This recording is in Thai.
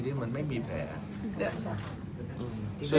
แต่ถ้าเรามีการดูแลเรื่อย